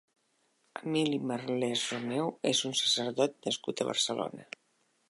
Emili Marlès Romeu és un sacerdot nascut a Barcelona.